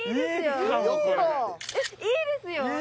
えっいいですよ。